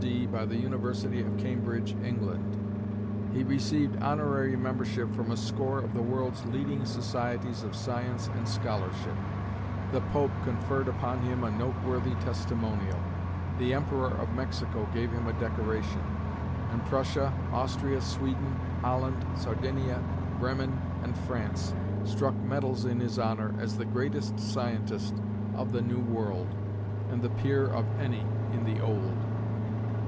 D. by the University of Cambridge, England; he received honorary membership from a score of the world's leading societies of science and scholarship; the Pope conferred upon him a noteworthy testimonial; the Emperor of Mexico gave him a decoration; and Prussia, Austria, Sweden, Holland, Sardinia, Bremen, and France struck medals in his honor as the greatest scientist of the New World, and the peer of any in the Old.